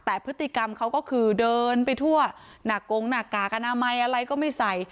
แต่พฤติกรรมเขาก็คือเดินไปทั่วหน้ากงหน้ากากอนามัยอะไรก็ไม่ใส่